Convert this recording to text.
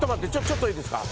ちょっといいですか？